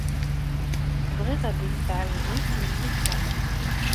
Bɣiɣ ad iyi-d-tɛawdem melmi tuɛam.